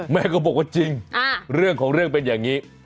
แม่ก็บอกว่าจริงเรื่องของเรื่องเป็นอย่างนี้